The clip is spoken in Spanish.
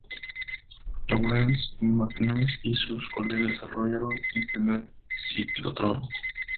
Lawrence, MacKenzie, y sus colegas desarrollaron el primer ciclotrón.